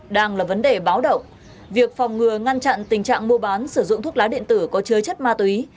đang là vấn đề báo động việc phòng ngừa ngăn chặn tình trạng mua bán sử dụng thuốc lá điện tử có chứa chất ma túy